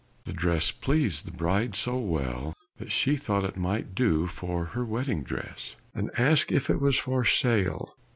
The dress pleased the bride so well that she thought it might do for her wedding dress, and asked if it was for sale?